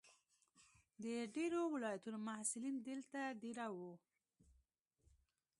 د ډېرو ولایتونو محصلین دلته دېره وو.